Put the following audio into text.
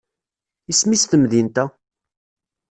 Isem-is temdint-a?